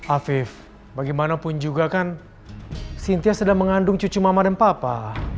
afif bagaimanapun juga kan sintia sedang mengandung cucu mama dan papa